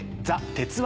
鉄腕！